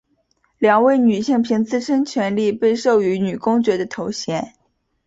两位女性凭自身权利被授予女公爵的头衔。